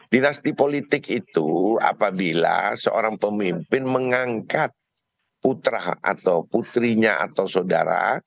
dinasti politik itu apabila seorang pemimpin mengangkat putra atau putrinya atau saudara